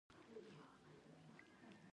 دوست محمد خټک په همدغه وخت کې کتابونه لیکي دي.